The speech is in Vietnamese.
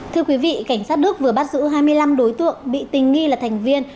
thưa quý vị cảnh sát đức vừa bắt giữ hai mươi năm đối tượng bị tình nghi là thành viên